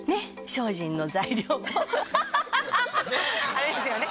あれですよね？